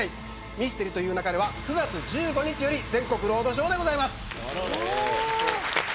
ミステリと言う勿れは９月１５日より全国ロードショーです。